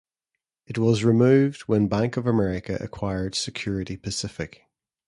It was removed when Bank of America acquired Security Pacific.